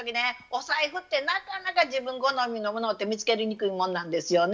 お財布ってなかなか自分好みのものって見つけにくいもんなんですよね。